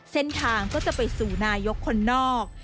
เส้นทางก็จะไปสู่นายกคนนอก